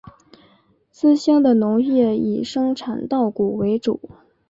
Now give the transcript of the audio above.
资兴的农业以生产稻谷为主。